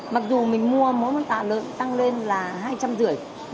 mặc dù mình mua mỗi món tạ lợn tăng lên là hai trăm năm mươi đồng